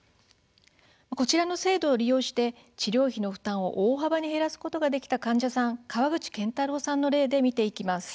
こちらの制度を利用して治療費の負担を大幅に減らすことができた患者さん川口健太朗さんの例で見ていきます。